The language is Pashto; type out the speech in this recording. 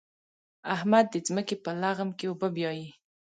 احمد د ځمکې په لغم کې اوبه بيايي.